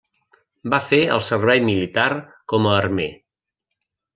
Va fer el servei militar com a armer.